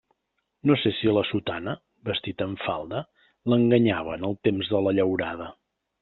No sé si la sotana, vestit amb falda, l'enganyava en el temps de la llaurada.